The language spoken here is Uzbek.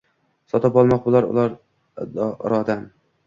Sotib olmoq bo’lar ular irodam